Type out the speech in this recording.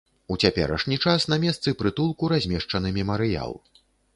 У цяперашні час на месцы прытулку размешчаны мемарыял.